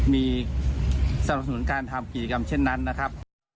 มีสนับสนุนการทำกิจกรรมเช่นนั้นนะครับ